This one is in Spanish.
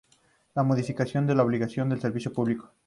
La modificación de la obligación de servicio público